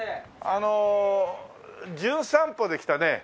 あの『じゅん散歩』で来たね